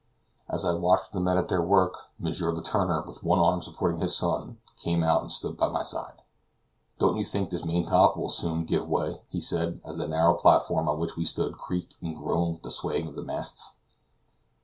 As I watched the men at their work, M. Letourneur, with one arm supporting his son, came out and stood by my side. "Don't you think this main top will soon give way?" he said, as the narrow platform on which we stood creaked and groaned with the swaying of the masts.